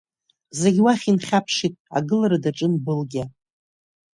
Зегь уахь инхьаԥшит агылара даҿын Былгьа.